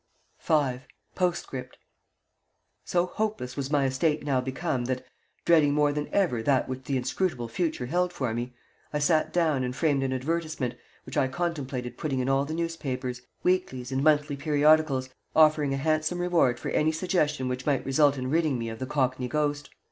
V POSTSCRIPT So hopeless was my estate now become that, dreading more than ever that which the inscrutable future held for me, I sat down and framed an advertisement, which I contemplated putting in all the newspapers, weeklies, and monthly periodicals, offering a handsome reward for any suggestion which might result in ridding me of the cockney ghost.